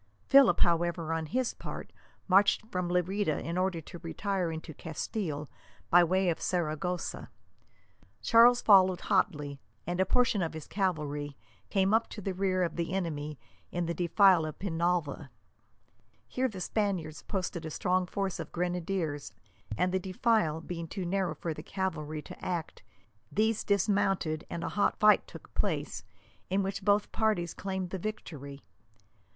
Philip, however, on his part, marched from Lerida in order to retire into Castile by way of Saragossa. Charles followed hotly, and a portion of his cavalry came up to the rear of the enemy in the defile of Penalva. Here the Spaniards posted a strong force of grenadiers, and the defile being too narrow for the cavalry to act, these dismounted, and a hot fight took place, in which both parties claimed the victory.